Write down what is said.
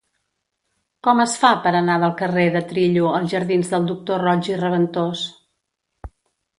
Com es fa per anar del carrer de Trillo als jardins del Doctor Roig i Raventós?